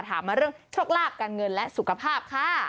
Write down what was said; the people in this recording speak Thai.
ถามมาเรื่องโชคลาภการเงินและสุขภาพค่ะ